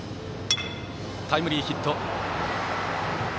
タイムリーヒット。